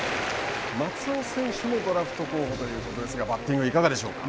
松尾選手もドラフト候補ということですがバッティングいかがでしょうか。